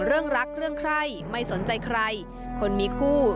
เรื่องรักเรื่องใครไม่สนใจใครคนมีคู่